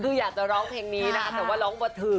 คืออยากจะร้องเพลงนี้นะคะแต่ว่าร้องเบอร์ถือ